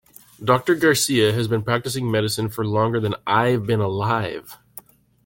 Doctor Garcia has been practicing medicine for longer than I have been alive.